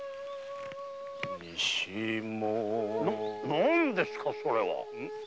何ですかそれは？